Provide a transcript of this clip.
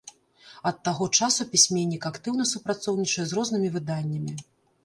Ад таго часу пісьменнік актыўна супрацоўнічае з рознымі выданнямі.